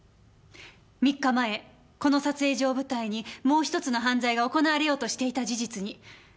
３日前この撮影所を舞台にもうひとつの犯罪が行われようとしていた事実に。